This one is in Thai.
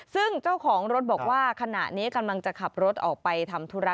ซึ่งเจ้าของรถบอกว่าขณะนี้กำลังจะขับรถออกไปทำธุระ